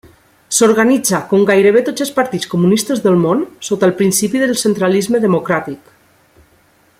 S'organitza, com gairebé tots els partits comunistes del món, sota el principi del centralisme democràtic.